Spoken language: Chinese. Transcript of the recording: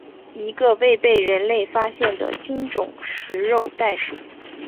一个未被人类发现的新种食肉袋鼠。